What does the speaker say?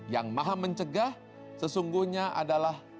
yang maha mencegah sesungguhnya adalah